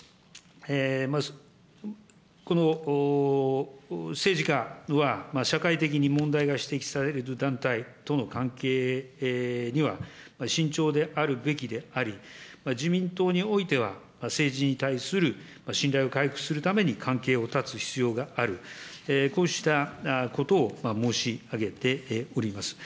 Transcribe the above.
この政治家は、社会的に問題が指摘される団体との関係には慎重であるべきであり、自民党においては、政治に対する信頼を回復するために関係を断つ必要がある、こうしたことを申し上げております。